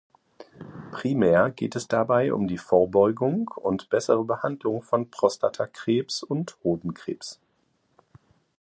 Primär geht es dabei um die Vorbeugung und bessere Behandlung von Prostatakrebs und Hodenkrebs.